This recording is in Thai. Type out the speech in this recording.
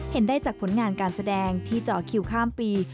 เห็นได้จากผลงานการแสดงที่เจาะคิวข้ามปี